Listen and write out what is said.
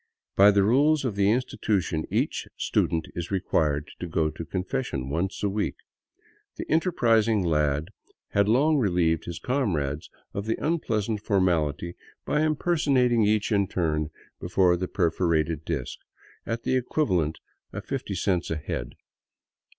By the rules of the institution each student is required to go to confession once a week. The enterprising lad long relieved his comrades of the unpleasant formality by impersonating each in turn before the perforated disk — at the equivalent of fifty cents a head.